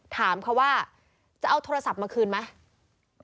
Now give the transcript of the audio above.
ถามเขาว่าจะเอาโทรศัพท์มาคืนไหม